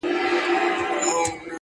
چي ياد پاته وي; ياد د نازولي زمانې;